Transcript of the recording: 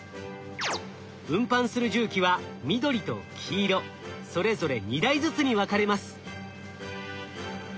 運搬する重機は緑と黄色それぞれ２台ずつに分かれます。